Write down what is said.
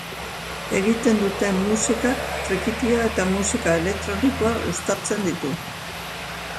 Egiten duten musikak trikitia eta musika elektronikoa uztartzen ditu.